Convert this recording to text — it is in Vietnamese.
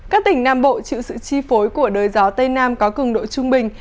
các tỉnh nam bộ chịu sự chi phối của đới gió tây nam có cường độ trung bình